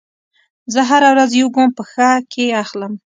زه هره ورځ یو ګام په ښه کې اخلم.